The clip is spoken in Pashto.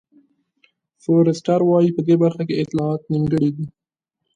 فورسټر وایي په دې برخه کې اطلاعات نیمګړي دي.